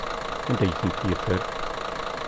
Anda ay ten-yeffer?